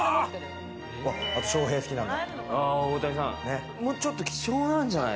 あと、翔平好きなんだ。